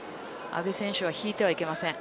阿部選手は引いてはいけません。